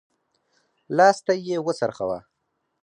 لاستی يې وڅرخوه.